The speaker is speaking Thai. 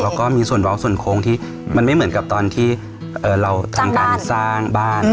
แล้วก็มีส่วนบล็อกส่วนโค้งที่มันไม่เหมือนกับตอนที่เราทำการสร้างบ้าน